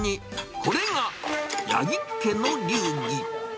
これが八木家の流儀。